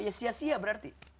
ya sia sia berarti